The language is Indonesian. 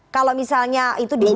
kalau misalnya itu dipercaya